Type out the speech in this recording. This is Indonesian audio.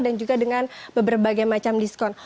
dan juga dengan berbagai macam diskon